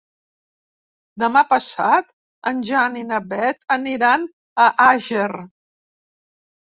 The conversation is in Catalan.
Demà passat en Jan i na Beth aniran a Àger.